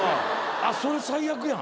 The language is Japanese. それ最悪やん！